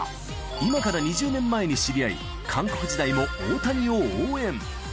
今から２０年前に知り合い、韓国時代も大谷を応援。